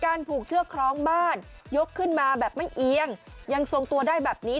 ผูกเชือกคล้องบ้านยกขึ้นมาแบบไม่เอียงยังทรงตัวได้แบบนี้